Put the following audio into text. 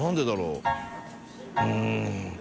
うん。